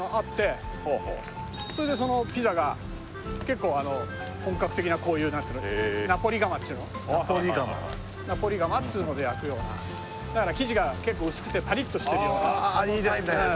それでそのピザが結構本格的なこういう何ていうのナポリ窯っていうのナポリ窯ナポリ窯っつうので焼くようなだから結構ああそのタイプのやつねああいいですね